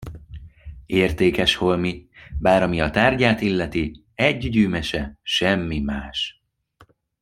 Értékes holmi, bár ami a tárgyát illeti, együgyű mese, semmi más.